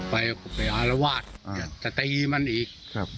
ไปอารวาสจะตีมันอีก